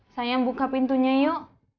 sayang buka pintunya yuk